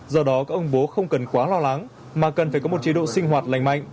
do đó các ông bố không cần quá lo lắng mà cần phải có một chế độ sinh hoạt lành mạnh